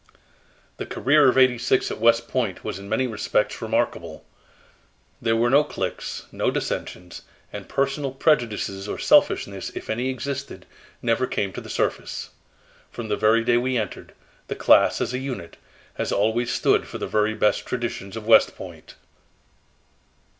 ... "The career of '86 at West Point was in many respects remarkable. There were no cliques, no dissensions, and personal prejudices or selfishness, if any existed, never came to the surface. From the very day we entered, the class as a unit has always stood for the very best traditions of West Point."